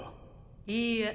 いいえ。